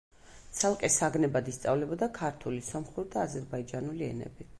ცალკე საგნებად ისწავლებოდა ქართული, სომხური და აზერბაიჯანული ენები.